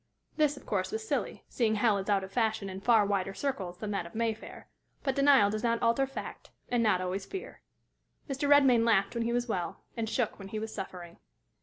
This, of course, was silly, seeing hell is out of fashion in far wider circles than that of Mayfair; but denial does not alter fact, and not always fear. Mr. Redmain laughed when he was well, and shook when he was suffering.